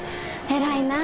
偉いなぁ。